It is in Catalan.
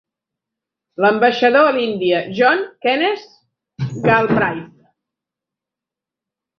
L'ambaixador a l'Índia, John Kenneth Galbraith.